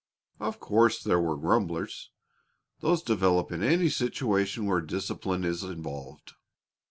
Of course there were grumblers; those develop in any situation where discipline is involved.